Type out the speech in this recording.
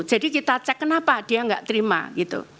jadi kita cek kenapa dia enggak terima gitu